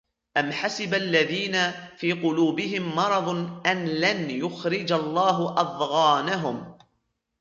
أَمْ حَسِبَ الَّذِينَ فِي قُلُوبِهِمْ مَرَضٌ أَنْ لَنْ يُخْرِجَ اللَّهُ أَضْغَانَهُمْ